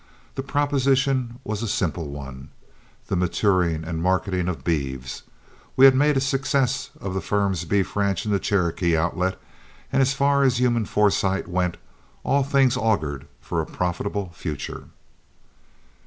The proposition was a simple one, the maturing and marketing of beeves; we had made a success of the firm's beef ranch in the Cherokee Outlet, and as far as human foresight went, all things augured for a profitable future.